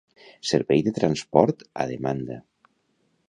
Servei de Transport a Demanda